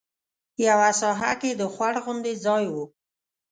یوه ساحه کې د خوړ غوندې ځای و.